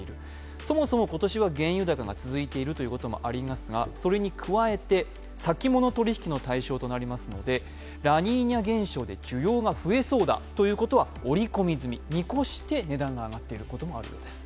そもそも今年は原油高が続いていることもありますが、それに加えて先物取引の対象となりますのでラニーニャ現象で需要が増えそうだということは織り込み済み、見越して値段が上がっていることもあるそうです。